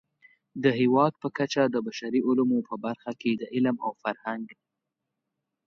د هېواد په کچه د بشري علومو په برخه کې د علم او فرهنګ